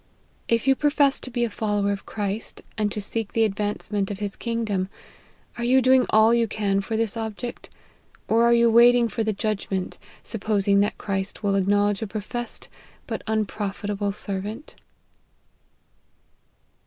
If you profess to be a follower of Christ and to seek the advance ment of his kingdom, are you doing all you can for this object, or are you waiting for the judgment, supposing that Christ will acknowledge a professed, but unprofitable servant